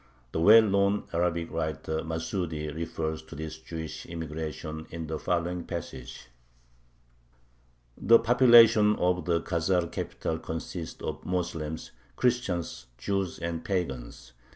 The well known Arabic writer Masudi refers to this Jewish immigration in the following passage: The population of the Khazar capital consists of Moslems, Christians, Jews, and pagans.